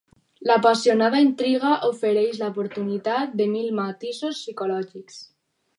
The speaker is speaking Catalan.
L'apassionada intriga ofereix l'oportunitat de mil matisos psicològics.